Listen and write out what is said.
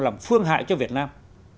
làm phương hại cho việt nam